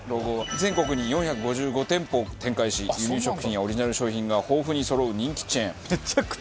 全国に４５５店舗を展開し輸入食品やオリジナル商品が豊富にそろう人気チェーン。